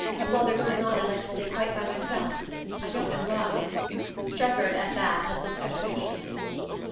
While they're going on I like to stay quite by myself.... I don't know why...." Strefford, at that, had looked at her keenly.